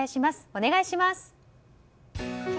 お願いします。